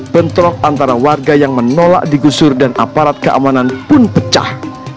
bentrok antara warga yang menolak digusur dan aparat keamanan pun pecah